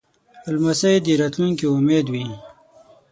لمسی د راتلونکې امید وي.